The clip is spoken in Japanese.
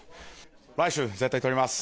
来週、絶対取ります。